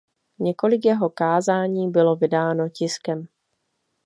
Několik jeho kázání bylo vydáno tiskem.